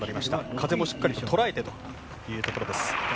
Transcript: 風もしっかりととらえてというところです。